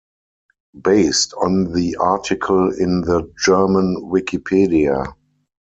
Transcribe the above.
Based on the article in the German Wikipedia.